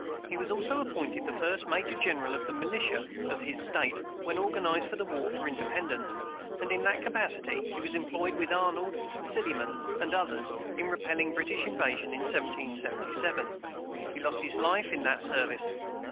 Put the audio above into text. He was also appointed the first major general of the militia of his state, when organized for the War for Independence; and in that capacity he was employed, with Arnold, Silliman, and others, in repelling British invasion in 1777. He lost his life in that service.